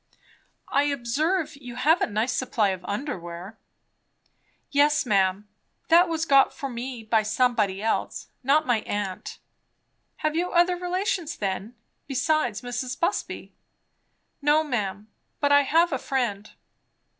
"I observe you have a nice supply of under wear." "Yes, ma'am. That was got for me by somebody else; not my aunt." "Have you other relations then, besides Mrs. Busby?" "No, ma'am. But I have a friend."